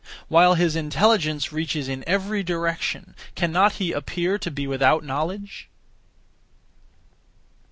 While his intelligence reaches in every direction, cannot he (appear to) be without knowledge?